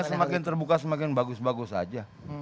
semakin terbuka semakin bagus bagus saja